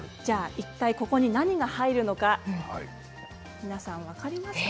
いったい何が入るのか皆さん、分かりますか？